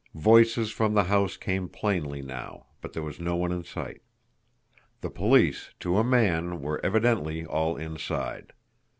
Voices from the house came plainly now, but there was no one in sight. The police, to a man, were evidently all inside.